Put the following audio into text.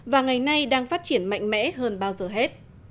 và ngày nay đang phát triển mạnh mẽ hơn bao giờ hết